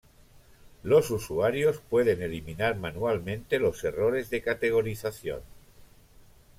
Los usuarios pueden eliminar manualmente los errores de categorización.